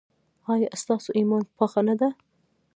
ایا ستاسو ایمان پاخه نه دی؟